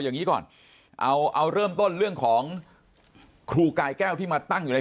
อย่างนี้ก่อนเอาเอาเริ่มต้นเรื่องของครูกายแก้วที่มาตั้งอยู่ใน